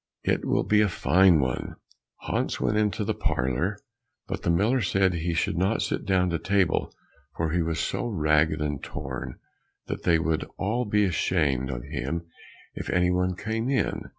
"It will be a fine one!" Hans went into the parlour, but the miller said he should not sit down to table, for he was so ragged and torn, that they would all be ashamed of him if any one came in.